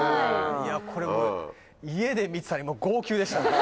これもう、家で観てたら、号泣でしたね。